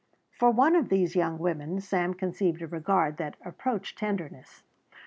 For one of these young women Sam conceived a regard that approached tenderness.